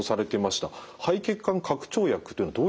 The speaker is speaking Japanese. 肺血管拡張薬というのはどういう薬になりますか？